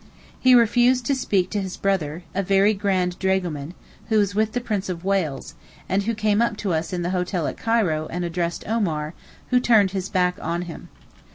He refused to speak to his brother, a very grand dragoman, who was with the Prince of Wales, and who came up to us in the hotel at Cairo and addressed Omar, who turned his back on him.